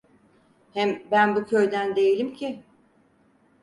Hem ben bu köyden değilim ki.